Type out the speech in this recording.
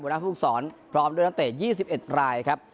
บุญนักภูมิสอนพร้อมด้วยนักเตตยี่สิบเอ็ดรายครับ